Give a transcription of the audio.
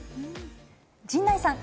陣内さん。